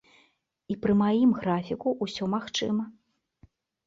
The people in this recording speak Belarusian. І пры маім графіку ўсё магчыма.